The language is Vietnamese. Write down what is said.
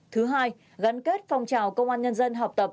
thứ hai gắn kết phong trào công an nhân dân học tập